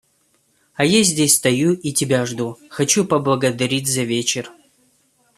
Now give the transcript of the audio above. А я здесь стою и тебя жду, хочу тебя поблагодарить за вечер.